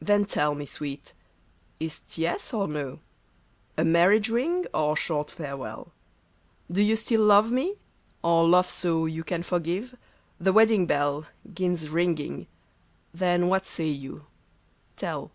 Then tell me, sweet ; is't yes or no — A marriage ring, or short farewell ? Do you still love me, or love so You can forgive ?— The wedding bell 'Gins ringing — then what say you ? tell.